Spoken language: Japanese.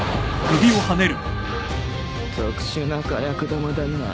特殊な火薬玉だなぁ